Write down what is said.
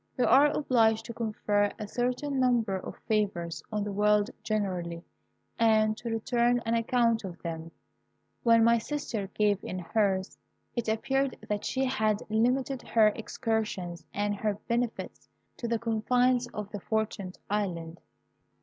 We are obliged to confer a certain number of favours on the world generally, and to return an account of them. When my sister gave in hers, it appeared that she had limited her excursions and her benefits to the confines of the Fortunate Island.